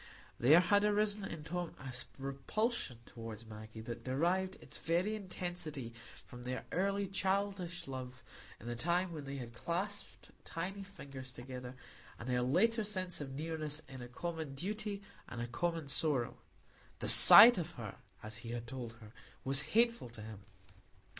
There had arisen in Tom a repulsion toward Maggie that derived its very intensity from their early childish love in the time when they had clasped tiny fingers together, and their later sense of nearness in a common duty and a common sorrow; the sight of her, as he had told her, was hateful to him.